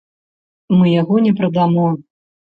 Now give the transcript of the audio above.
Мы яго не прадамо!